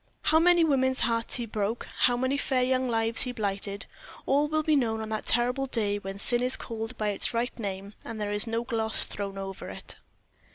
How many women's hearts he broke, how many fair young lives he blighted, will all be known on that terrible day when sin is called by its right name, and there is no gloss thrown over it.